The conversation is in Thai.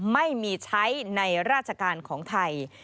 ไม่มีใช้ในราชการของไทย